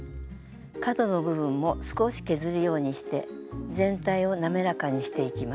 角の部分も少し削るようにして全体を滑らかにしていきます。